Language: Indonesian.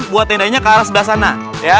buat tendanya ke arah sebelah sana